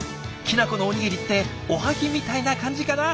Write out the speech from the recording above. きな粉のおにぎりっておはぎみたいな感じかな？